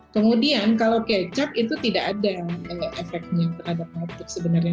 kemudian kalau kecap itu tidak ada efeknya terhadap batuk sebenarnya